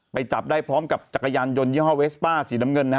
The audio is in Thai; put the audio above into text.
จับได้พร้อมกับจักรยานยนยี่ห้อเวสป้าสีน้ำเงินนะฮะ